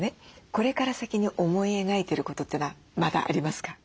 これから先に思い描いてることというのはまだありますか？